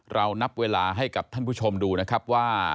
เรานับเวลาให้กับท่านผู้ชมดูนะครับว่า